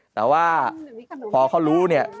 แต่ว่าพอเขารู้เนี่ย